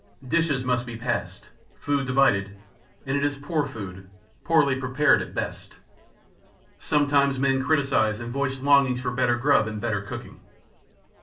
Dishes must be passed, food divided, and it is poor food, poorly prepared at best. Sometimes men criticize and voice longings for better grub and better cooking.